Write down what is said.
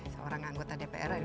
seorang anggota dpr dari